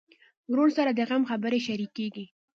ورور سره د غم خبرې شريکېږي.